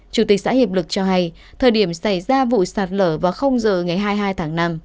chủ tịch xã hiệp lực cho hay thời điểm xảy ra vụ sạt lở vào giờ ngày hai mươi hai tháng năm